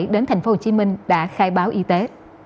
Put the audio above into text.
đến thành phố hồ chí minh đã khai báo y tế